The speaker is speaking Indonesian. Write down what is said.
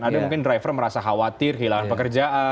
ada yang mungkin driver merasa khawatir hilang pekerjaan